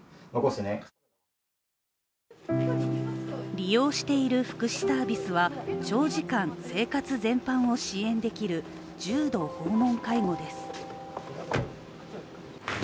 利用している福祉サービスは長時間、生活全般を支援できる重度訪問介護です。